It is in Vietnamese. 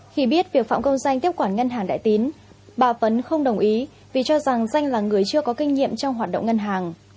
khi biết việc phạm công danh tiếp quản ngân hàng đại tín bà phấn không đồng ý vì cho rằng danh là người chưa có kinh nghiệm trong hoạt động ngân hàng